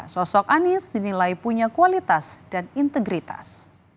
sosok anies dinilai punya kualitas dan integritas